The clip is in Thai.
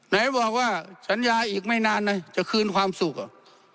ไหนบอกว่าสัญญาอีกไม่นานนะจะคืนความสุขอ่ะ